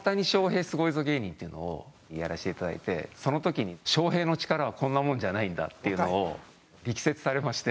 っていうのをやらせていただいてその時に翔平の力はこんなもんじゃないんだっていうのを力説されまして。